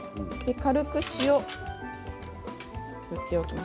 軽く塩を振っておきます。